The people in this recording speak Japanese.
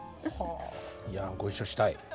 いやご一緒したい。